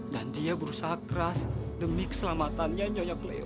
dan dia berusaha keras demi keselamatannya nyonya cleo